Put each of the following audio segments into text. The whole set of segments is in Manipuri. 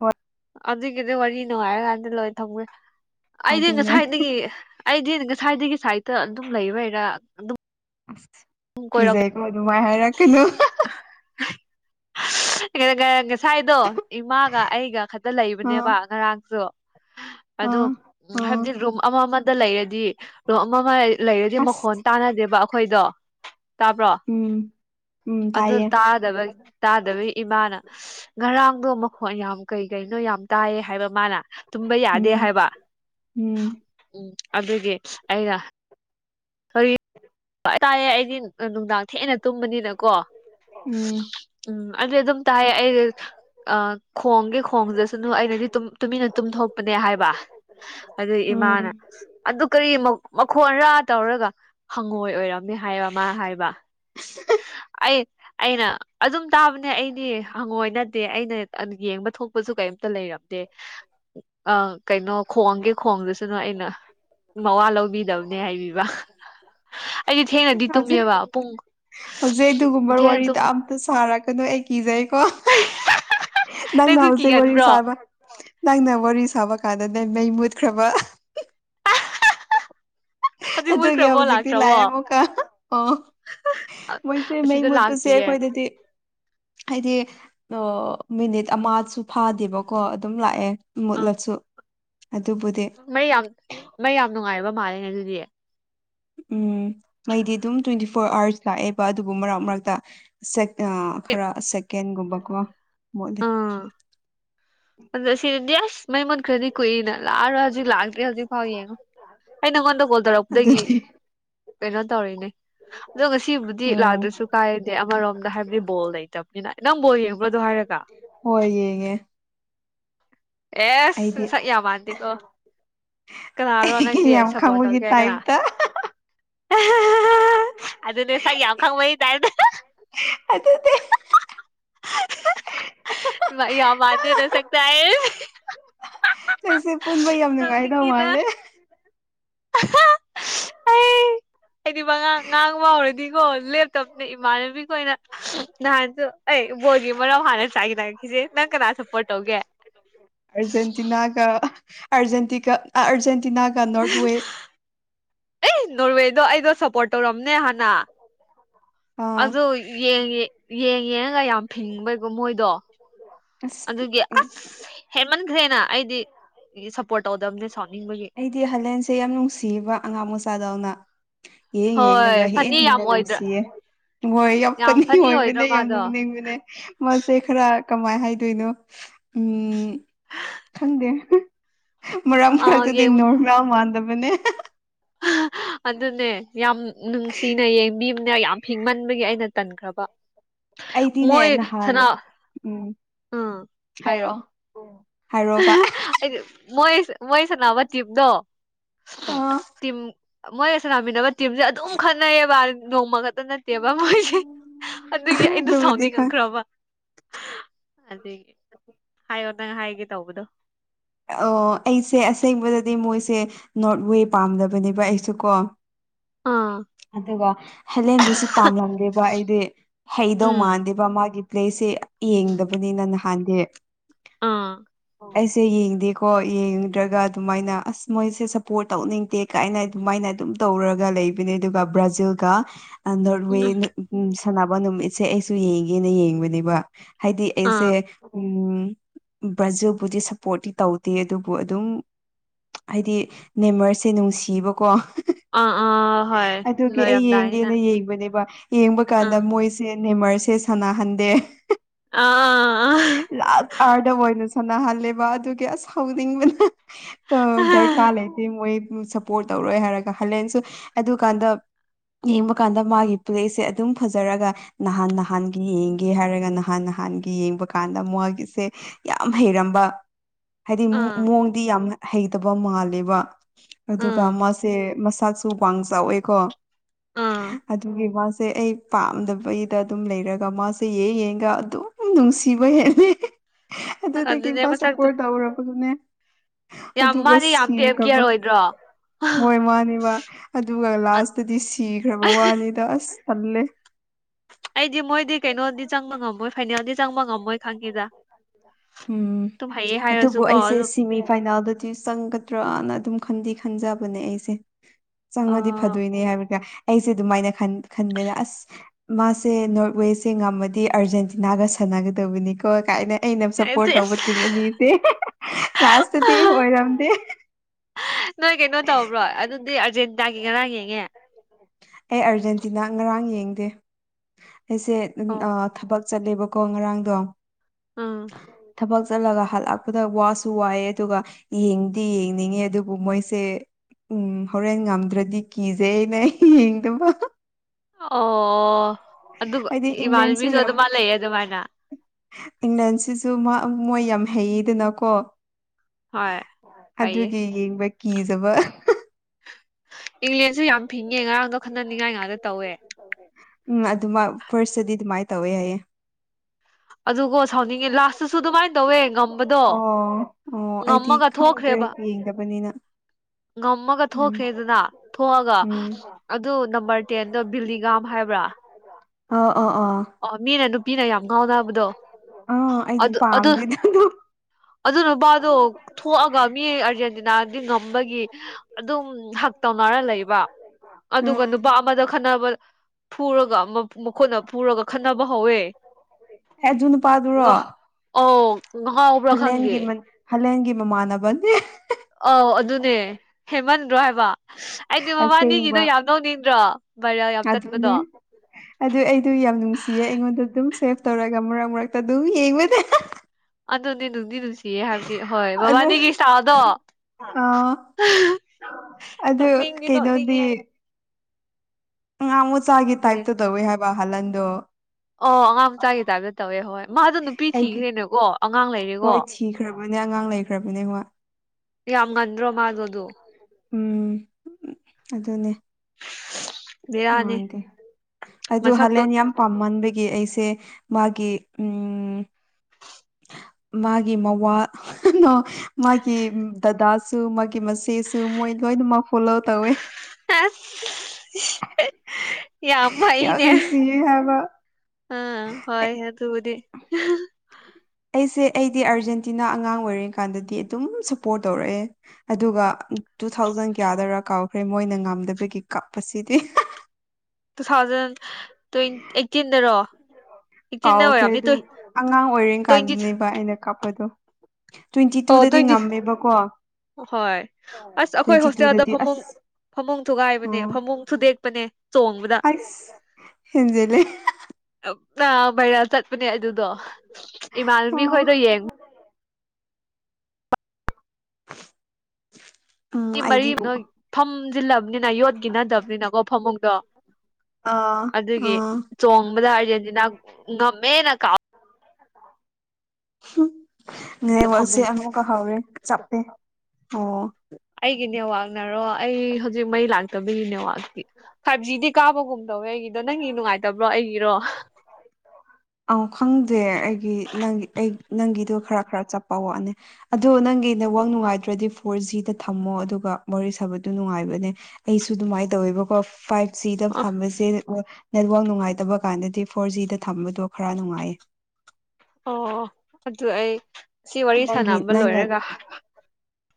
ꯍꯣꯏ ꯑꯗꯨꯒꯤꯗꯣ ꯋꯥꯔꯤ ꯅꯨꯡꯉꯥꯏꯔꯀꯥꯟꯗ ꯂꯣꯏ ꯊꯝꯒ꯭ꯔꯦ ꯑꯩꯗꯤ ꯑꯗꯨꯅꯦ ꯉꯁꯥꯏꯗꯒꯤ ꯑꯩꯗꯤ ꯉꯁꯥꯏꯗꯒꯤ ꯁꯥꯏꯠꯇ ꯑꯗꯨꯝ ꯂꯩꯕꯩꯔꯥ ꯑꯗꯨꯝ ꯑꯁ ꯀꯣꯏꯔꯛ ꯀꯤꯖꯩꯀꯣ ꯑꯗꯨꯃꯥꯏ ꯍꯥꯏꯔꯛꯀꯅꯨ ꯉꯁꯥꯏꯗꯣ ꯏꯃꯥꯒ ꯑꯩꯒ ꯈꯛꯇ ꯑꯥ ꯂꯩꯕꯅꯦꯕ ꯉꯔꯥꯡꯁꯨ ꯑꯗꯣ ꯑꯥ ꯎꯝ ꯑꯥ ꯍꯥꯏꯕꯗꯤ ꯔꯨꯝ ꯑꯃ ꯑꯃ ꯔꯨꯝꯗ ꯂꯩꯔꯗꯤ ꯔꯨꯝ ꯑꯃ ꯑꯃ ꯂꯩꯔꯗꯤ ꯑꯁ ꯃꯈꯣꯟ ꯇꯥꯟꯅꯗꯦꯕ ꯑꯈꯣꯏꯗꯣ ꯇꯥꯕ꯭ꯔꯣ ꯎꯝ ꯎꯝ ꯑꯗꯨ ꯇꯥꯏꯌꯦ ꯇꯥꯗꯕꯒꯤ ꯇꯥꯗꯕꯩ ꯏꯃꯥꯅ ꯉꯔꯥꯡꯗꯣ ꯃꯈꯣꯟ ꯌꯥꯝ ꯀꯩ ꯀꯩꯅꯣ ꯌꯥꯝ ꯇꯥꯏꯌꯦ ꯍꯥꯏꯕ ꯃꯥꯅ ꯇꯨꯝꯕ ꯌꯥꯗꯦ ꯎꯝ ꯍꯥꯏꯕ ꯎꯝ ꯎꯝ ꯑꯗꯨꯒꯤ ꯑꯩꯅ ꯀꯔꯤ ꯇꯥꯏꯌꯦ ꯑꯩꯗꯤ ꯅꯨꯡꯗꯥꯡ ꯊꯦꯡꯅ ꯇꯨꯝꯕꯅꯤꯅꯀꯣ ꯎꯝ ꯎꯝ ꯎꯝ ꯑꯩꯗꯤ ꯑꯗꯨꯝ ꯇꯥꯢꯌꯦ ꯑꯩ ꯑꯥ ꯈꯣꯡꯒꯦ ꯈꯣꯡꯖꯁꯅꯨ ꯑꯩꯅꯗꯤ ꯇꯨꯃꯤꯟꯅ ꯇꯨꯝꯊꯣꯛꯄꯅꯦ ꯍꯥꯏꯕ ꯑꯗꯨꯒꯤ ꯍꯧꯖꯤꯛ ꯏꯃꯥꯅ ꯑꯗꯨ ꯀꯔꯤ ꯃꯈꯣꯟꯔꯥ ꯇꯧꯔꯒ ꯍꯪꯉꯣꯏ ꯑꯣꯏꯔꯝꯃꯦ ꯍꯥꯏꯕ ꯃꯥ ꯍꯥꯏꯕ [inaudible] ꯑꯩ ꯑꯩꯅ ꯑꯗꯨꯝ ꯇꯥꯕꯅꯦ ꯑꯩꯗꯤ ꯍꯪꯉꯣꯏ ꯅꯠꯇꯦ ꯑꯩꯅ ꯌꯦꯡꯕ ꯊꯣꯛꯄꯁꯨ ꯀꯔꯤꯃꯇ ꯂꯩꯔꯝꯗꯦ ꯇꯦ ꯑꯥ ꯀꯩꯅꯣ ꯈꯣꯡꯒꯦ ꯈꯣꯡꯖꯁꯅꯨ ꯑꯩꯅ ꯃꯋꯥ ꯂꯧꯕꯤꯗꯕꯅꯦ ꯍꯥꯏꯕꯤꯕ ꯑꯩꯗꯤ ꯊꯦꯡꯅꯗꯤ ꯍꯧꯖꯤꯛ ꯇꯨꯝꯃꯦꯕ ꯄꯨꯡ ꯍꯧꯖꯤꯛ ꯑꯗꯨꯒꯨꯝꯕ ꯊꯦꯡꯅ ꯋꯥꯔꯤ ꯇꯨꯝ ꯇꯥꯕ ꯑꯗꯨ ꯁꯥꯔꯛꯀꯅꯣ ꯑꯩ ꯀꯤꯖꯩꯀꯣ ꯑꯩ ꯅꯪꯅ ꯅꯪꯁꯨ ꯍꯧꯖꯤꯛ ꯋꯥꯔꯤ ꯀꯤꯒꯟꯕ꯭ꯔꯣ ꯁꯥꯥꯕ ꯅꯪꯅ ꯋꯥꯔꯤ ꯁꯥꯕ ꯀꯥꯟꯗ ꯅꯪ ꯃꯩ ꯃꯨꯠꯈ꯭ꯔꯕ ꯍꯧꯖꯤꯛ ꯑꯗꯨꯒꯤ ꯃꯨꯠꯈ꯭ꯔꯕꯣ ꯍꯧꯖꯤꯛꯇꯤ ꯂꯥꯛꯇ꯭ꯔꯕꯣ ꯂꯥꯛꯑꯦ ꯑꯃꯨꯛꯀ ꯑꯣ ꯃꯣꯏꯁꯦ ꯃꯩ ꯑꯁꯤꯗ ꯃꯨꯠꯄꯁꯦ ꯂꯥꯛꯇ꯭ꯔꯤꯌꯦ ꯑꯩꯈꯣꯏꯗꯗꯤ ꯍꯥꯏꯗꯤ ꯃꯤꯅꯤꯠ ꯑꯃꯁꯨ ꯐꯥꯗꯦꯕꯀꯣ ꯑꯗꯨꯝ ꯂꯥꯛꯑꯦ ꯑ ꯃꯨꯠꯂꯁꯨ ꯑꯗꯨꯕꯨꯗꯤ ꯃꯩ ꯌꯥꯝ ꯃꯩ ꯌꯥꯝ ꯅꯨꯡꯉꯥꯏꯕ ꯃꯥꯜꯂꯦꯅꯦ ꯑꯗꯨꯗꯤ ꯎꯝ ꯃꯩꯗꯤ ꯑꯗꯨꯝ ꯇ꯭ꯋꯦꯟꯇꯤ ꯐꯣꯔ ꯑꯥꯋꯔꯁ ꯂꯥꯛꯑꯦꯕ ꯑꯗꯨꯕꯨ ꯃꯔꯛ ꯃꯔꯛꯇ ꯁꯦꯛ ꯑ ꯈꯔ ꯁꯦꯀꯦꯟꯒꯨꯝꯕ ꯀꯣ ꯃꯣꯠꯂꯦ ꯑ ꯑꯗꯨ ꯁꯤꯗꯗꯤ ꯑꯁ ꯃꯩ ꯃꯨꯠꯈ꯭ꯔꯗꯤ ꯀꯨꯏꯅ ꯂꯥꯛꯑꯔꯣꯏ ꯍꯧꯖꯤꯛ ꯂꯥꯛꯇ꯭ꯔꯤ ꯍꯧꯖꯤꯛ ꯐꯥꯎ ꯌꯦꯡꯉꯣ ꯑꯩ ꯅꯉꯣꯟꯗ ꯀꯣꯜ ꯇꯧꯔꯛꯄꯗꯒꯤ ꯑꯗꯨꯗꯤ ꯀꯩꯅꯣ ꯇꯧꯔꯤꯅꯦ ꯑꯗꯣ ꯉꯁꯤꯕꯨꯗꯤ ꯎꯝ ꯂꯥꯛꯇ꯭ꯔꯁꯨ ꯀꯥꯏꯗꯦ ꯑꯃꯔꯣꯝꯗ ꯍꯥꯏꯕꯗꯤ ꯕꯣꯜ ꯂꯩꯇꯕꯅꯤꯅ ꯅꯪ ꯕꯣꯜ ꯌꯦꯡꯕ꯭ꯔꯣ ꯑꯗꯨ ꯍꯥꯏꯔꯒ ꯍꯣꯢ ꯌꯦꯡꯉꯦ ꯑꯩꯗꯤ ꯑꯦꯁ ꯁꯛ ꯌꯥꯝ ꯃꯥꯟꯗꯦꯀꯣ ꯀꯅꯥꯅꯣ ꯅꯪꯗꯤ ꯌꯥꯝ ꯁꯞꯄꯣꯔꯠ ꯈꯪꯕꯒꯤ ꯇꯧꯒꯦ ꯀꯅꯥ ꯇꯥꯏꯞꯇ ꯑꯗꯨꯅꯦ ꯁꯛ ꯌꯥꯝ ꯈꯪꯕꯩ ꯇꯥꯢꯞꯇ ꯍꯥ ꯑꯗꯨꯅꯦ ꯌꯥꯝ ꯃꯥꯟꯗꯦ ꯅꯁꯛꯇ ꯍꯥꯢꯌꯦ ꯅꯪꯁꯦ ꯄꯨꯟꯕ ꯌꯥꯝ ꯅꯨꯡꯉꯥꯏꯗꯧ ꯅꯣꯛꯅꯤꯡꯉꯤꯗ ꯃꯥꯜꯂꯦ ꯑꯩ ꯑꯩꯗꯤ ꯃꯉꯥꯡ ꯉꯥꯡꯕꯥꯍꯧꯔꯗꯤꯀꯣ ꯂꯦꯞꯇꯕꯅꯦ ꯏꯃꯥꯟꯅꯕꯤꯈꯣꯏꯅ ꯅꯍꯥꯟꯁꯨ ꯑꯩ ꯕꯣꯜꯒꯤ ꯃꯔꯝ ꯍꯥꯟꯅ ꯆꯥꯢꯅꯈꯤꯖꯦ ꯅꯪ ꯀꯅꯥ ꯁꯞꯄꯣꯔꯠ ꯇꯧꯒꯦ ꯑꯥꯔꯖꯦꯟꯇꯤ ꯅꯥ ꯒ ꯑꯔꯖꯦꯟꯇꯤꯀ ꯑꯔꯖꯦꯟꯇꯤꯅꯥꯒ ꯅꯣꯔꯠ ꯋꯦ ꯑꯦ ꯅꯣꯔꯋꯦꯗꯣ ꯑꯩꯗꯣ ꯁꯞꯄꯣꯔꯠ ꯇꯧꯔꯝꯅꯦ ꯍꯥꯟꯅ [unintelligible] ꯑꯗꯨ ꯌꯦꯡ ꯌꯦꯡꯉꯒ ꯌꯥꯝ ꯐꯤꯡꯕꯩꯀꯣ ꯃꯣꯏꯗꯣ ꯑꯁ ꯑꯗꯨꯒꯤ ꯑꯁ ꯍꯦꯃꯟꯈ꯭ꯔꯦꯅ ꯑꯩꯗꯤ ꯁꯞꯄꯣꯔꯠ ꯇꯧꯗꯕꯅꯦ ꯁꯥꯎꯅꯤꯡꯕꯒꯤ ꯑꯩꯗꯤ ꯍꯂꯦꯟꯁꯦ ꯌꯥꯝ ꯅꯨꯡꯁꯤꯌꯦꯕ ꯑꯉꯥꯡ ꯃꯆꯥꯗꯧꯅ ꯌꯦꯡ ꯍꯣꯏ ꯌꯦꯡꯒ ꯍꯦꯟ ꯐꯅꯤ ꯌꯥꯝ ꯍꯦꯟꯅ ꯑꯣꯏꯗ꯭ꯔꯥ ꯅꯨꯡꯁꯤꯌꯦ ꯍꯣꯏ ꯌꯥꯝ ꯐꯅꯤ ꯑꯣꯏꯕꯅꯦ ꯌꯥꯝ ꯅꯣꯛꯅꯤꯡꯕꯅꯦ ꯃꯥꯁꯦ ꯈꯔ ꯀꯃꯥꯏ ꯍꯥꯏꯗꯣꯏꯅꯣ ꯎꯝ ꯈꯪꯗꯦ ꯃꯔꯛ ꯑꯥ ꯃꯔꯛꯇꯗꯤ ꯌꯦꯡꯉꯨ ꯅꯣꯔꯃꯦꯜ ꯃꯥꯟꯗꯕꯅꯦ ꯑꯗꯨꯅꯦ ꯌꯥꯝ ꯅꯨꯡꯁꯤꯅ ꯌꯦꯡꯕꯤꯕꯅꯦ ꯌꯥꯝ ꯐꯤꯡꯃꯟꯕꯒꯤ ꯑꯩꯅ ꯇꯟꯈ꯭ꯔꯕ ꯑꯩꯗꯤꯅꯦ ꯃꯣꯏ ꯅꯍꯥꯟ ꯁꯅꯥ ꯎꯝ ꯎꯝ ꯍꯥꯏꯌꯣ ꯍꯥꯏꯔꯛꯑꯣ ꯎꯝ ꯍꯥꯏꯔꯣꯕ ꯑꯩꯗꯤ ꯃꯣꯏ ꯃꯣꯏ ꯁꯥꯟꯅꯕ ꯇꯤꯝꯗꯣ ꯑꯣ ꯇꯤꯝ ꯃꯣꯏꯒ ꯁꯥꯟꯅꯃꯤꯟꯅꯕ ꯇꯤꯝꯁꯦ ꯑꯗꯨꯝ ꯈꯠꯅꯩꯌꯦꯕ ꯅꯣꯡꯃ ꯈꯛꯇ ꯅꯠ ꯇꯦꯕꯥ ꯃꯣꯏꯁꯦ ꯑꯗꯨꯒꯤ ꯑꯩꯗꯣ ꯑꯗꯨꯕꯨꯗꯤ ꯁꯥꯎꯅꯤꯡ ꯈꯪ ꯉꯛꯈ꯭ꯔ ꯐꯕ ꯑꯗꯒꯤ ꯍꯥꯏꯌꯣ ꯅꯪ ꯍꯥꯏꯒꯦ ꯇꯧꯕꯗꯣ ꯑꯣ ꯑꯩꯁꯦ ꯑꯁꯦꯡꯕꯗꯗꯤ ꯃꯣꯏꯁꯦ ꯅꯣꯔꯠ ꯋꯦ ꯄꯥꯝꯗꯕꯅꯦꯕ ꯑꯩꯁꯨ ꯀꯣ ꯑꯥ ꯑꯗꯨꯒ ꯍꯦꯂꯦꯟꯕꯨ ꯁꯨ ꯄꯥꯝꯂꯝꯗꯦꯕ ꯑꯩꯗꯤ ꯍꯩꯗꯧ ꯎꯝ ꯃꯥꯟꯗꯦꯕ ꯃꯥꯒꯤ ꯄ꯭ꯂꯦꯁꯦ ꯌꯦꯡꯗꯕꯅꯤꯅ ꯅꯍꯥꯟꯗꯤ ꯑꯥ ꯑꯩꯁꯦ ꯌꯦꯡꯗꯦꯀꯣ ꯌꯦꯡꯗ꯭ꯔꯒ ꯑꯗꯨꯃꯥꯏꯅ ꯑꯁ ꯃꯣꯏꯁꯦ ꯁꯞꯄꯣꯔꯠ ꯇꯧꯅꯤꯡꯇꯦ ꯀꯥꯏꯅ ꯑꯗꯨꯃꯥꯏꯅ ꯑꯗꯨꯝ ꯇꯧꯔꯒ ꯂꯩꯕꯅꯦ ꯑꯗꯨꯒ ꯕ꯭ꯔꯥꯖꯤꯜꯒ ꯎꯝ ꯅꯣꯔꯋꯦꯅ ꯁꯅꯕ ꯅꯨꯃꯤꯠꯁꯦ ꯑꯩꯁꯨ ꯌꯦꯡꯒꯦꯅ ꯌꯦꯡꯕꯅꯦꯕ ꯍꯥꯏꯗꯤ ꯑꯦꯁꯦ ꯑꯥ ꯎꯝ ꯕ꯭ꯔꯖꯤꯜꯕꯨꯗꯤ ꯁꯞꯄꯣꯔꯠꯇꯤ ꯇꯧꯗꯦ ꯑꯗꯨꯕꯨ ꯑꯗꯨꯝ ꯍꯥꯏꯗꯤ ꯅꯦꯝꯃꯔꯁꯦ ꯅꯨꯡꯁꯤꯕꯀꯣ ꯑꯥ ꯑꯥ ꯍꯣꯏ [unintelligible] ꯑꯗꯨꯒꯤ ꯑꯩ ꯂꯣꯏꯔꯝꯗꯥꯏꯅ ꯌꯦꯡꯒꯦꯅ ꯌꯦꯡꯕꯅꯦꯕ ꯌꯦꯡꯕ ꯀꯥꯟꯗ ꯑꯥ ꯃꯣꯏꯁ ꯁꯦ ꯅꯦꯃꯔꯁꯦ ꯁꯥꯟꯅ ꯍꯟꯗꯦ [unintelligible] ꯥꯑꯥ [unintelligible] ꯂꯥꯁ ꯑꯥꯔꯗ ꯑꯣꯏꯅ ꯁꯥꯟꯅꯍꯜꯂꯦꯕ ꯑꯗꯨꯒꯤ ꯑꯁ ꯁꯧꯅꯤꯡꯕꯅ [unintelligible] ꯑꯥ ꯗꯔꯀꯥꯔ ꯂꯩꯇꯦ ꯃꯣꯏ ꯁꯞꯄꯣꯔꯠ ꯇꯧꯔꯣꯏ ꯍꯥꯏꯔꯒ ꯍꯜꯂꯦꯟꯁꯨ ꯑꯗꯨ ꯀꯥꯟꯗ ꯌꯦꯡꯕ ꯀꯥꯟꯗ ꯃꯥꯒꯤ ꯄꯂꯦꯁꯦ ꯑꯗꯨꯝ ꯐꯖꯔꯒ ꯅꯍꯥꯟ ꯅꯍꯥꯟꯒꯤ ꯌꯦꯡꯒꯦ ꯍꯥꯏꯔꯒ ꯅꯍꯥꯟ ꯅꯍꯥꯟꯒꯤ ꯌꯦꯡꯕ ꯀꯥꯟꯗ ꯃꯥꯒꯤꯁꯦ ꯌꯥꯝ ꯍꯩꯔꯝꯕ ꯍꯥꯏꯗꯤ ꯑꯥ ꯑꯥ ꯃꯑꯣꯡꯗꯤ ꯌꯥꯝ ꯍꯩꯇꯕ ꯃꯥꯜꯂꯦꯕ ꯑꯗꯨꯒ ꯃꯥꯁꯦ ꯃꯁꯥ ꯁꯨ ꯋꯥꯡ ꯆꯥꯎꯋꯦꯀꯣ ꯑꯥ ꯑꯗꯨꯒꯤ ꯃꯥꯁꯦ ꯑꯩ ꯄꯥꯝꯗꯕꯩꯗ ꯑꯗꯨꯝ ꯂꯩꯔꯒ ꯃꯥꯁꯦ ꯌꯦꯡ ꯌꯦꯡꯒ ꯑꯗꯨꯝ ꯅꯨꯡꯁꯤꯕ ꯍꯦꯜꯂꯦ [unintelligible] ꯑꯗꯨꯗꯒꯤ ꯑꯗꯨꯅꯦ ꯃꯥ ꯃꯁꯛꯇꯣ ꯁꯞꯄꯣꯔꯠ ꯇꯧꯔꯕꯗꯨꯅꯦ ꯌꯥꯝ ꯑꯗꯨꯒ ꯃꯥꯗꯤ ꯌꯥꯝ ꯗꯦꯞ ꯁꯤꯈꯔꯕ ꯀꯤꯌꯔ ꯑꯣꯏꯗ꯭ꯔꯣ ꯍꯣꯏ ꯃꯥꯅꯦꯕ ꯑꯗꯨꯒ ꯂꯥꯁꯇꯗꯤ ꯁꯤꯈ꯭ꯔꯕ ꯋꯥꯅꯤꯗ ꯑꯁ ꯇꯜꯂꯦ ꯑꯩꯗꯤ ꯃꯣꯏꯗꯤ ꯀꯩꯅꯣꯗꯤ ꯆꯪꯕ ꯉꯝꯃꯣꯏ ꯐꯥꯏꯅꯦꯜꯗꯤ ꯆꯪꯕ ꯉꯝꯃꯣꯏ ꯈꯪꯉꯦꯗ ꯎꯝ ꯑꯗꯨꯕꯨ ꯑꯩꯁꯦ ꯑꯗꯨꯝ ꯁꯤꯃꯤ ꯐꯥꯏꯅꯥꯜꯗꯗꯤ ꯆꯪꯒꯗ꯭ꯔꯅ ꯑꯗꯨꯝ ꯈꯟꯗꯤ ꯈꯟꯖꯕꯅꯦ ꯑꯩꯁꯦ ꯆꯪꯉꯗꯤ ꯑꯥ ꯐꯗꯣꯏꯅꯦ ꯍꯥꯏꯕꯗ ꯑꯩꯁꯦ ꯑꯗꯨꯃꯥꯏꯅ ꯈꯟꯕꯗ ꯑꯁ ꯃꯥꯁꯦ ꯅꯣꯔꯠꯋꯦꯁꯦ ꯉꯝꯃꯗꯤ ꯑꯥꯔꯖꯦꯟꯇꯤꯅꯥꯒ ꯁꯥꯟꯅꯒꯗꯕꯅꯤꯀꯣ ꯀꯥꯏꯅ ꯑꯩꯅ ꯁꯄꯣꯔꯠ ꯇꯧꯕ ꯑꯦꯁ ꯇꯤꯝ ꯑꯅꯤꯁꯦ [unintelligible] ꯂꯥꯁꯇꯗꯤ ꯑꯣꯏꯔꯝꯗꯦ [unintelligible] ꯅꯣꯏ ꯀꯩꯅꯣ ꯇꯧꯕ꯭ꯔꯣ ꯑꯗꯨꯗꯤ ꯑꯥꯔꯖꯦꯟꯇꯤꯅꯥꯒꯤ ꯉꯔꯥꯡ ꯌꯦꯡꯉꯦ ꯑꯩ ꯑꯥꯔꯖꯦꯟꯇꯤꯅꯥ ꯉꯔꯥꯡ ꯌꯦꯡꯗꯦ ꯑꯩꯁꯦ ꯑ ꯑꯣ ꯊꯕꯛ ꯆꯠꯂꯦꯕ ꯀꯣ ꯉꯔꯥꯡꯗꯣ ꯎꯝ ꯊꯕꯛ ꯆꯠꯂꯒ ꯍꯥꯜꯂꯛꯄꯗ ꯋꯥꯁꯨ ꯋꯥꯏꯑꯦ ꯑꯗꯨꯒ ꯌꯦꯡꯗꯤ ꯌꯦꯡꯅꯤꯡꯉꯦ ꯑꯗꯨꯕꯨ ꯃꯣꯏꯁꯦ ꯎꯝ ꯍꯣꯔꯦꯟ ꯉꯝꯗ꯭ꯔꯗꯤ ꯀꯤꯖꯩꯅ ꯌꯦꯡꯗꯕ ꯑꯣ ꯑꯗꯨꯒ ꯍꯥꯏꯗꯤ ꯏꯪꯂꯦꯟꯁꯨ ꯏꯃꯥꯟꯅꯕꯤꯁꯨ ꯌꯥꯝ ꯑꯗꯨꯃꯥꯏ ꯂꯩꯌꯦ ꯑꯗꯨꯃꯥꯏꯅ ꯏꯪꯂꯦꯟꯁꯤꯁꯨ ꯃꯥ ꯃꯣꯏ ꯌꯥꯝ ꯍꯩꯌꯦꯗꯅꯀꯣ ꯍꯣꯏ ꯐꯩꯌꯦ ꯑꯗꯨꯒꯤ ꯌꯦꯡꯕ ꯀꯤꯖꯕ ꯏꯪꯂꯦꯟꯁꯨ ꯌꯥꯝ ꯐꯤꯡꯉꯦ ꯉꯔꯥꯡꯗꯣ ꯈꯠꯅꯅꯤꯡꯉꯥꯏ ꯉꯥꯛꯇ ꯇꯧꯋꯦ ꯎꯝ ꯑꯗꯨꯃ ꯐꯥꯔꯁꯇꯗꯤ ꯑꯗꯨꯃꯥꯏꯅ ꯇꯧꯋꯦ ꯍꯥꯏꯌꯦ ꯑꯗꯨꯀꯣ ꯁꯥꯎꯅꯤꯡꯉꯦ ꯂꯥꯁꯇꯁꯨ ꯑꯗꯨꯃꯥꯏꯅ ꯇꯧꯋꯦ ꯉꯝꯕꯗꯣ ꯑꯣ ꯑꯣ ꯑꯩꯗꯤ ꯉꯝꯃꯒ ꯈꯪꯗ꯭ꯔꯦ ꯊꯣꯛꯈ꯭ꯔꯦꯕ ꯌꯦꯡꯗꯕꯅꯤꯅ ꯉꯝꯃꯒ ꯎꯝ ꯊꯣꯛꯈ꯭ꯔꯦꯗꯅ ꯊꯣꯛꯑꯒ ꯎꯝ ꯑꯗꯨ ꯅꯝꯕꯔ ꯇꯦꯟꯗꯣ ꯕꯤꯂꯤꯒꯥꯝ ꯍꯥꯏꯕ꯭ꯔꯥ [inaudible] ꯑꯥ ꯑꯥ ꯑꯥ ꯑꯥ ꯃꯤꯅ ꯅꯨꯄꯤꯅ ꯌꯥꯝ ꯉꯥꯎꯅꯕꯗꯣ ꯑꯥ ꯑꯩꯗꯤ ꯑꯗꯨ ꯑꯗꯨ ꯄꯥꯝꯗꯦꯗ ꯑꯗꯨ ꯑꯗꯨ ꯅꯨꯄꯥꯗꯣ ꯊꯣꯛꯑꯒ ꯃꯤ ꯑꯔꯖꯦꯟꯇꯤꯅꯥꯗꯤ ꯉꯝꯕꯒꯤ ꯑꯗꯨꯝ ꯍꯛ ꯇꯧꯅꯔ ꯂꯩꯕ ꯑꯗꯨꯒ ꯎꯝ ꯅꯨꯄꯥ ꯑꯃꯗ ꯈꯠꯅꯕ ꯐꯨꯔꯒ ꯑꯃ ꯃꯈꯣꯏꯅ ꯐꯨꯔꯒ ꯈꯠꯅꯕ ꯍꯧꯋꯦ ꯑꯦ ꯑꯗꯨ ꯅꯨꯄꯥꯗꯨꯔꯣ ꯉ ꯑꯧ ꯉꯍꯥꯎ ꯍꯂꯦꯟꯒꯤ ꯍꯂꯦꯟꯒꯤ ꯃꯃꯥꯟꯅꯕꯅꯦ ꯑꯧ ꯑꯗꯨꯅꯦ ꯍꯦꯟꯃꯟꯗ꯭ꯔꯣ ꯍꯥꯏꯕ ꯑꯩꯗꯤ ꯃꯕꯅꯤꯒꯤꯗꯣ ꯑꯁꯦꯡꯕ ꯌꯥꯝ ꯅꯣꯛꯅꯤꯡꯗ꯭ꯔꯣ ꯕꯥꯏꯔꯦꯜ ꯌꯥꯝ ꯆꯠꯄꯗꯣ ꯑꯗꯨꯅꯦ ꯑꯗꯨ ꯑꯩꯗꯣ ꯌꯥꯝ ꯅꯨꯡꯁꯤꯌꯦ ꯑꯩꯉꯣꯟꯗ ꯗꯨꯝ ꯁꯦꯞ ꯇꯧꯔꯒ ꯃꯔꯛ ꯃꯔꯛꯇ ꯗꯨꯝ ꯌꯦꯡꯕꯅꯦ ꯑꯗꯨꯅꯤ ꯅꯨꯡꯗꯤ ꯅꯨꯡꯁꯤꯌꯦ ꯍꯥꯏꯕꯗꯤ ꯍꯣꯏ ꯃꯕꯥꯅꯤꯒꯤ ꯁꯇ꯭ꯏꯜꯗꯣ ꯑꯥ ꯑꯗꯨ ꯅꯣꯛꯅꯤꯡꯗꯤ ꯀꯩꯩꯅꯣꯗꯤ ꯅꯣꯛꯅꯤꯡꯉꯦ ꯑꯉꯥꯡ ꯃꯆꯥꯒꯤ ꯀꯔꯤ ꯇꯥꯏꯞꯇ ꯇꯧꯋꯦ ꯍꯥꯏꯕ ꯍꯥꯂꯟꯗꯣ ꯑꯣ ꯑꯉꯥꯡ ꯃꯆꯥꯒꯤ ꯇꯥꯏꯞꯇ ꯇꯧꯋꯦ ꯍꯣꯏ ꯃꯥꯗꯣ ꯅꯨꯄꯤ ꯑꯩꯒꯤ ꯊꯤꯈ꯭ꯔꯦꯅꯦꯀꯣ ꯑꯉꯥꯡ ꯂꯩꯔꯦꯒꯣ ꯍꯣꯏ ꯊꯤꯈ꯭ꯔꯕꯅꯦ ꯑꯉꯥꯡ ꯂꯩꯈ꯭ꯔꯕꯅꯦꯋꯥ ꯌꯥꯝ ꯉꯟꯗ꯭ꯔꯣ ꯃꯥꯗꯣꯗꯨ ꯎꯝ ꯑꯗꯨꯅꯦ [inaudible] ꯃꯥꯟꯗꯦ ꯑꯗꯨ ꯃꯁꯛꯇꯣ ꯍꯂꯦꯟ ꯌꯥꯝ ꯄꯥꯝꯃꯟꯕꯒꯤ ꯑꯩꯁꯦ ꯃꯥꯒꯤ ꯎꯝ ꯃꯥꯒꯤ ꯃꯋꯥ ꯅꯣ ꯃꯥꯒꯤ ꯗꯗꯥꯁꯨ ꯃꯥꯒꯤ ꯃꯆꯦꯁꯨ ꯃꯣꯏ ꯂꯣꯏꯅꯃꯛ ꯐꯣꯂꯣ ꯇꯧꯋꯦ ꯑꯁ ꯌꯥꯝ ꯍꯩꯅꯦ ꯅꯨꯡꯁꯤꯌꯦ ꯍꯥꯏꯕ ꯑꯥ ꯍꯣꯏ ꯑꯗꯨꯕꯨꯗꯤ ꯑꯩꯁꯦ ꯑꯩꯗꯤ ꯑꯥꯔꯖꯦꯟꯇꯤꯅꯥ ꯑꯉꯥꯡ ꯑꯣꯏꯔꯤꯡ ꯀꯥꯟꯗꯗꯤ ꯑꯗꯨꯝ ꯁꯞꯄꯣꯔꯠ ꯇꯧꯔꯛꯑꯦ ꯑꯗꯨꯒ ꯇꯨ ꯊꯥꯎꯖꯟ ꯀꯌꯥꯗꯔꯥ ꯀꯥꯎꯈ꯭ꯔꯦ ꯃꯣꯏꯅ ꯉꯝꯗꯕꯒꯤ ꯀꯞꯄꯁꯤꯗꯤ ꯇꯨ ꯊꯥꯎꯖꯟ ꯇ꯭ꯋꯦꯟ ꯑꯩꯠꯇꯤꯟꯗꯔꯣ ꯑꯩꯠꯇꯤꯟꯗ ꯀꯥꯎꯈ꯭ꯔꯦ ꯑꯣꯏꯔꯝꯅꯤ ꯗꯨ ꯑꯉꯥꯡ ꯇ꯭ꯋꯦꯟꯇꯤ ꯑꯣꯏꯔꯤꯡꯀꯥꯟꯗꯅꯦ ꯑꯩꯅ ꯀꯞꯄꯗꯣ ꯇ꯭ꯋꯦꯟꯇꯤ ꯑꯣ ꯇꯨꯗꯗꯤ ꯇ꯭ꯋꯦꯟꯇꯤ ꯉꯝꯃꯦꯕꯀꯣ ꯍꯣꯏ ꯑꯁ ꯑꯩꯈꯣꯏ ꯇ꯭ꯋꯦꯟꯇꯤ ꯍꯣꯁꯇꯦꯜꯗ ꯇꯨꯗꯗꯤ ꯐꯃꯨꯡ ꯑꯁ ꯐꯃꯨꯡ ꯊꯨꯒꯥꯏꯕꯅꯦ ꯎꯝ ꯐꯃꯨꯡ ꯊꯨꯗꯦꯛꯄꯅꯦ ꯆꯣꯡꯕꯗ ꯑꯁ ꯍꯦꯟꯖꯤꯜꯂꯦ ꯑꯞꯅꯥ ꯕꯥꯏꯔꯦꯜ ꯆꯠꯄꯅꯦ ꯑꯗꯨꯗꯣ ꯏꯃꯥꯟꯅꯕꯤ ꯑꯣ ꯈꯣꯏꯗꯣ ꯌꯦꯡ ꯎꯝ ꯃꯤ ꯃꯔꯤ ꯑꯩꯗꯤ ꯅꯣꯏ ꯎ- ꯐꯝꯖꯤꯜꯂꯕꯅꯤꯅ ꯌꯣꯠꯀꯤ ꯅꯠꯇꯕꯅꯤꯀꯣ ꯐꯃꯨꯡꯗꯣ ꯑꯥ ꯑꯗꯨꯒꯤ ꯑꯥ ꯆꯣꯡꯕꯗ ꯑꯥꯔꯖꯦꯟꯇꯤꯅꯥ ꯉꯝꯃꯦꯅ ꯀꯥꯎ ꯍꯨꯡ ꯅꯦꯠꯋꯥꯛꯁꯦ ꯐꯃꯨꯡ ꯑꯃꯨꯛ ꯀ ꯍꯧꯔꯦ ꯆꯞꯄꯦ ꯑꯣ ꯑꯩꯒꯤ ꯅꯦꯋꯥꯛꯅꯔꯣ ꯑꯩ ꯍꯧꯖꯤꯛ ꯃꯩ ꯂꯥꯛꯇꯕꯒꯤ ꯅꯦꯋꯥꯛꯇꯤ ꯐꯥꯏꯚ ꯖꯤꯗꯤ ꯀꯥꯕꯒꯨꯝ ꯇꯧꯋꯦ ꯑꯩꯒꯤꯗꯣ ꯅꯪꯒꯤ ꯅꯨꯡꯉꯥꯏꯇꯕ꯭ꯔꯣ ꯑꯩꯒꯤꯔꯣ ꯑꯥꯎ ꯈꯪꯗꯦ ꯑꯩꯒꯤ ꯅꯪ ꯑꯩ ꯅꯪꯒꯤꯗꯣ ꯈꯔ ꯈꯔ ꯆꯞꯄ ꯋꯥꯅꯦ ꯑꯗꯣ ꯅꯪꯒꯤ ꯅꯦꯋꯥꯛ ꯅꯨꯡꯉꯥꯏꯇ꯭ꯔꯗꯤ ꯐꯣꯔ ꯖꯤꯗ ꯊꯝꯃꯣ ꯑꯗꯨꯒ ꯋꯥꯔꯤ ꯁꯥꯕꯗꯨ ꯅꯨꯡꯉꯥꯏꯕꯅꯦ ꯑꯩꯁꯨ ꯗꯨꯃꯥꯏ ꯇꯧꯋꯦꯕꯀꯣ ꯐꯥꯏꯚ ꯖꯤ ꯗ ꯑ ꯊꯝꯕꯁꯦ ꯑꯣ ꯅꯦꯠꯋꯔꯛ ꯅꯨꯡꯉꯥꯏꯇꯕ ꯀꯥꯟꯗꯗꯤ ꯐꯣꯔ ꯖꯤꯗ ꯊꯝꯕꯗꯣ ꯈꯔ ꯅꯨꯡꯉꯥꯏꯌꯦ ꯑꯣꯑꯣꯑꯣ ꯑꯗꯨ ꯑꯩ ꯁꯤ ꯋꯥꯔꯤ ꯅꯪꯒꯤ ꯁꯥꯟꯅꯕ ꯅꯪꯅ ꯂꯣꯏꯔꯒ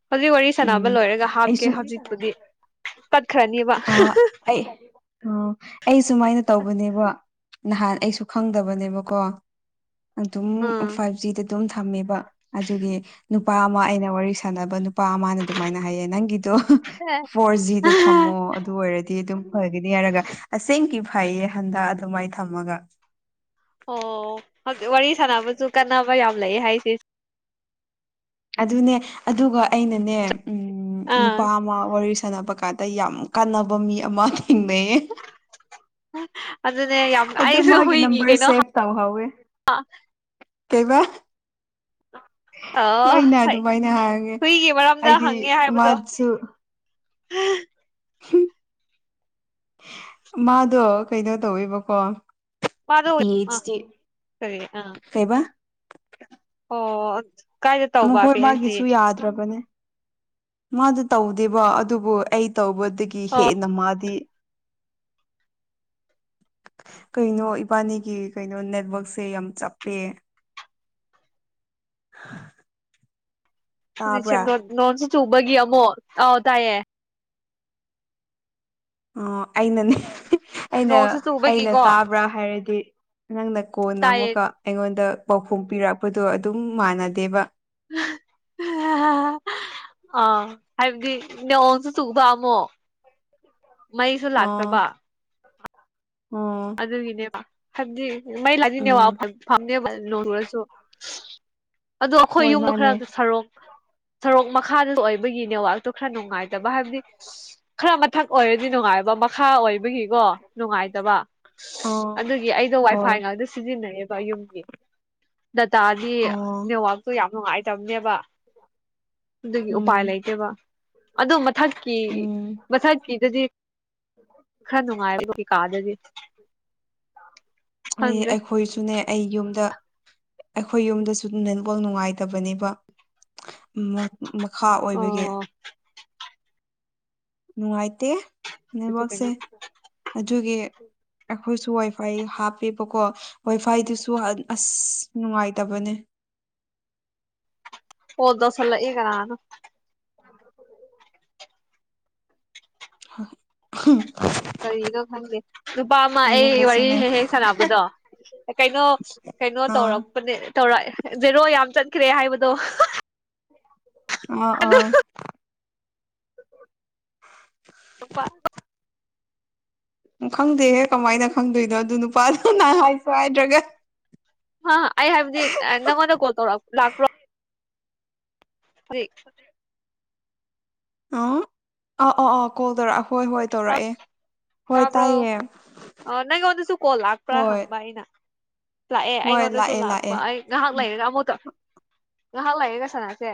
ꯍꯧꯖꯤꯛ ꯋꯥꯔꯤ ꯁꯥꯅꯕ ꯎꯝ ꯂꯣꯏꯔꯒ ꯍꯥꯞꯀꯦ ꯑꯩꯁꯨ ꯍꯧꯖꯤꯛꯄꯨꯗꯤ ꯇꯠꯈ꯭ꯔꯅꯤꯕ ꯑ ꯑꯩ ꯑꯣ ꯑꯩ ꯁꯨꯃꯥꯏꯅ ꯇꯧꯕꯅꯦꯕ ꯅꯍꯥꯟ ꯑꯩꯁꯨ ꯈꯪꯗꯕꯅꯦꯕꯀꯣ ꯑꯗꯨꯝ ꯎꯝ ꯐꯥꯏꯚ ꯖꯤ ꯗ ꯗꯨꯝ ꯊꯝꯃꯦꯕ ꯑꯗꯨꯒꯤ ꯅꯨꯄꯥ ꯑꯃ ꯑꯩꯅ ꯋꯥꯔꯤ ꯁꯥꯅꯕ ꯅꯨꯄꯥ ꯑꯃꯥꯅ ꯑꯗꯨꯃꯥꯏꯅ ꯍꯥꯏꯌꯦ ꯅꯪꯒꯤ ꯗꯣ ꯐꯣꯔ ꯖꯤ ꯗ ꯊꯝꯃꯣ ꯑꯗꯨ ꯑꯣꯏꯔꯗꯤ ꯑꯗꯨꯝ ꯐꯒꯅꯤ ꯍꯥꯏꯔꯒ ꯑꯁꯦꯡꯀꯤ ꯐꯩꯌꯦ ꯍꯟꯗꯛ ꯑꯗꯨꯃꯥꯏ ꯊꯝꯃꯒ ꯑꯣ ꯍꯧ ꯋꯥꯔꯤ ꯁꯥꯟꯅꯕꯁꯨ ꯀꯥꯟꯅꯕ ꯌꯥꯝ ꯂꯩꯌꯦ ꯍꯥꯏꯁꯦ ꯑꯗꯨꯅꯦ ꯑꯗꯨꯒ ꯑꯩꯅꯅꯦ ꯑꯥ ꯅꯨꯄꯥ ꯑꯃ ꯋꯥꯔꯤ ꯁꯥꯟꯅꯕ ꯀꯥꯗ ꯌꯥꯝ ꯀꯥꯟꯅꯕ ꯃꯤ ꯑꯃ ꯊꯦꯡꯅꯩꯌꯦ ꯑꯗꯨꯅꯦ ꯌꯥꯝ ꯑꯗꯣ ꯑꯩꯁꯨ ꯃꯥꯒꯤ ꯍꯨꯏꯒꯤ ꯅꯝꯕꯔ ꯀꯩꯅꯣ ꯍꯥꯞ ꯁꯦꯚ ꯇꯧꯍꯧꯋꯦ [unintelligible] ꯀꯩꯕꯥ [inaudible] ꯑꯣ ꯑꯩꯅ ꯐꯩ ꯑꯗꯨꯃꯥꯏꯅ ꯍꯥꯏꯔꯒꯦ ꯍꯨꯏꯒꯤ ꯃꯔꯝꯗ ꯑꯩꯗꯤ ꯍꯪꯉꯦ ꯍꯥꯏꯕꯗꯣ ꯃꯥꯁꯨ ꯍꯝ ꯃꯥꯗꯣ ꯀꯩꯅꯣ ꯇꯧꯋꯦꯕꯀꯣ ꯃꯥꯗꯣ ꯄꯤ ꯑ ꯑꯩꯆ ꯗꯤ ꯀꯔꯤ ꯑꯥ ꯀꯩꯕꯥ ꯑꯣ ꯑꯠ ꯃꯈꯣꯏ ꯃꯥꯒꯤꯁꯨ ꯌꯥꯗ꯭ꯔꯥꯕꯅꯦ ꯃꯥꯗꯨ ꯇꯧꯗꯦꯕ ꯑꯗꯨꯕꯨ ꯑꯩ ꯇꯧꯕꯗꯒꯤ ꯑꯣ ꯍꯦꯟꯅ ꯃꯥꯗꯤ [inaudible] ꯀꯩꯅꯣ ꯏꯕꯥꯅꯤꯒꯤ ꯀꯩꯅꯣ ꯅꯦꯠꯋꯛꯁꯦ ꯌꯥꯝ ꯆꯞꯄꯦ ꯍꯥ ꯍꯨꯖꯤꯛ ꯁꯦꯝꯗꯣꯟ ꯅꯣꯟꯁꯨ ꯆꯨꯕꯒꯤ ꯑꯃꯨꯛ ꯑꯥꯎ ꯇꯥꯏꯌꯦ ꯑꯣ ꯑꯩꯅꯅꯦ ꯑꯩꯅ ꯅꯣꯡꯁꯨ ꯑꯩꯅ ꯆꯨꯕꯒꯤꯀꯣ ꯇꯥꯕ꯭ꯔꯥ ꯍꯥꯏꯔꯗꯤ ꯅꯪꯅ ꯀꯣꯟꯅ ꯇꯥꯏꯌꯦ ꯑꯃꯨꯛꯀꯥ ꯑꯩꯉꯣꯟꯗ ꯄꯥꯎꯈꯨꯝ ꯄꯤꯔꯛꯄꯗꯣ ꯑꯗꯨꯝ ꯃꯥꯟꯅꯗꯦꯕ [unintelligible] ꯑꯥ ꯑꯥ ꯍꯥꯏꯕꯗꯤ ꯅꯣꯡꯁꯨ ꯆꯨꯕ ꯑꯃꯨꯛ ꯃꯩꯁꯨ ꯑꯣ ꯂꯥꯛꯇꯕ ꯑꯣ ꯑꯗꯨꯒꯤꯅꯦꯕ ꯍꯥꯏꯕꯗꯤ ꯃꯩ ꯂꯥꯛꯑꯗꯤ ꯅꯦꯠꯋꯥꯛ ꯎꯝ ꯐꯪ ꯐꯪꯅꯦꯕ ꯅꯣꯡ ꯆꯨꯔꯁꯨ ꯑꯗꯣ ꯑꯈꯣꯏ ꯍꯣꯏ ꯌꯨꯝꯒ ꯃꯥꯅꯦ ꯈꯔ ꯁꯥꯔꯣꯛ ꯁꯔꯣꯛ ꯃꯈꯥꯗ ꯑꯣꯏꯕꯒꯤ ꯅꯦꯠꯋꯥꯛꯇꯨ ꯈꯔ ꯅꯨꯡꯉꯥꯏꯇꯕ ꯍꯥꯏꯕꯗꯤ ꯈꯔ ꯃꯊꯛ ꯑꯣꯏꯔꯗꯤ ꯅꯨꯡꯉꯥꯏꯕ ꯃꯈꯥ ꯑꯣꯏꯕꯒꯤꯀꯣ ꯅꯨꯡꯉꯥꯏꯇꯕ ꯑꯥ ꯑꯗꯨꯒꯤ ꯑꯩꯗꯣ ꯋꯥꯏꯐꯥꯏ ꯍꯣꯏ ꯉꯥꯛꯇ ꯁꯤꯖꯤꯟꯅꯩꯌꯦꯕ ꯌꯨꯝꯒꯤ ꯗꯇꯥꯗꯤ ꯑꯥ ꯅꯦꯋꯥꯛ ꯇꯣ ꯌꯥꯝ ꯅꯨꯡꯉꯥꯏꯇꯕꯅꯦꯕ ꯑꯗꯨꯒꯤ ꯎꯄꯥꯏ ꯎꯝ ꯂꯩꯇꯦꯕ ꯑꯗꯨ ꯃꯊꯛꯀꯤ ꯎꯝ ꯃꯊꯛꯀꯤꯗꯨꯗꯤ ꯈꯔ ꯅꯨꯡꯉꯥꯏꯕ [unintelligible] ꯀꯥꯗꯗꯤ ꯈꯪꯗ꯭ꯔꯦ [unintelligible] ꯈꯣꯏꯁꯨꯅꯦ ꯑꯩ ꯌꯨꯝꯗ ꯑꯩꯈꯣꯏ ꯌꯨꯝꯗꯁꯨ ꯅꯦꯠꯋꯥꯛ ꯅꯨꯡꯉꯥꯏꯇꯕꯅꯦꯕ ꯃꯣꯠ ꯃꯈꯥ ꯑꯣꯏꯕꯒꯤ ꯑꯣ ꯅꯨꯡꯉꯥꯏꯇꯦ ꯑꯗꯨ ꯅꯦꯠꯋꯥꯛꯁꯦ ꯀꯩꯅꯣ ꯑꯗꯨꯒꯤ ꯑꯩꯈꯣꯏꯁꯨ ꯋꯥꯏꯐꯥꯏ ꯍꯥꯞꯄꯦꯕꯀꯣ ꯋꯥꯏꯐꯥꯏꯗꯨꯁꯨ ꯍꯠ ꯑꯁ ꯅꯨꯡꯉꯥꯏꯇꯕꯅꯦ ꯀꯣꯜ ꯇꯧꯁꯜꯂꯛꯏ ꯀꯅꯥꯅꯣ [unintelligible] [unintelligible] ꯀꯔꯤꯅꯣ ꯈꯪꯗꯦ ꯅꯨꯄꯥ ꯑꯃ ꯑꯩ ꯋꯥꯔꯤ ꯑꯩꯉꯣꯟꯗꯁꯨꯅꯦ ꯍꯦꯛ ꯍꯦꯛ ꯁꯥꯟꯅꯕꯗꯣ ꯑꯦ ꯀꯩꯅꯣ ꯀꯩꯅꯣ ꯑꯥ ꯇꯧꯔꯛꯄꯅꯦ ꯇꯧꯔꯛꯑꯦ ꯖꯦꯔꯣ ꯌꯥꯝ ꯆꯠ ꯈ꯭ꯔꯦ ꯍꯥꯏꯕꯗꯣ ꯑꯥ ꯑꯗꯨ ꯑꯥ ꯅꯨꯄꯥ ꯎꯝ ꯈꯪꯗꯦꯍꯦ ꯀꯃꯥꯏꯅ ꯈꯪꯗꯣꯏꯅꯣ ꯑꯗꯨ ꯅꯨꯄꯥꯗꯣ ꯅꯥ ꯍꯥꯏꯁꯨ ꯍꯥꯏꯗ꯭ꯔꯥꯒ ꯍꯥ ꯑꯩ ꯍꯥꯏꯕꯗꯤ ꯑꯥ ꯅꯪꯉꯣꯟꯗ ꯀꯣꯜ ꯇꯧꯔꯛ ꯂꯥꯛꯄ꯭ꯔꯣ [unintelligible] ꯑꯥꯎ ꯑꯥ ꯑꯥ ꯑꯥ ꯀꯣꯜ ꯇꯧꯔꯑ ꯍꯣꯏ ꯍꯣꯏ ꯇꯧꯔꯛꯑꯦ ꯍꯣꯏ ꯇꯥꯕ꯭ꯔꯣ ꯇꯥꯏꯌꯦ ꯑꯥ ꯅꯪꯉꯣꯟꯗꯁꯨ ꯀꯣꯜ ꯂꯥꯛꯄ꯭ꯔꯥ ꯍꯣꯏ ꯍꯪꯕ ꯑꯩꯅ ꯂꯥꯛꯑꯦ ꯍꯣꯏ ꯑꯩꯉꯣꯟꯗꯁꯨ ꯂꯥꯛꯑꯦ ꯂꯥꯛꯄ ꯂꯥꯛꯑꯦ ꯑꯩ ꯉꯥꯏꯍꯛ ꯂꯩꯔꯒ ꯑꯃꯨꯛ ꯇꯧ ꯉꯥꯏꯍꯛ ꯂꯩꯔꯒ ꯁꯅꯥꯁꯦ